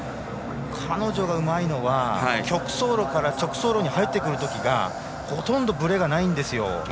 彼女がうまいのは曲走路から直走路に入ってくるときほとんどぶれがないんです。